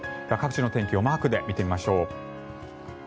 各地の天気をマークで見てみましょう。